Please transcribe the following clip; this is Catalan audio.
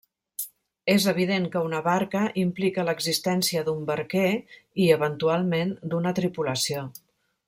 És evident que una barca implica l’existència d’un barquer i, eventualment, d’una tripulació.